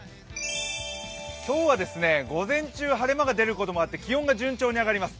今日は午前中晴れ間が出ることもあって気温が順調に上がります。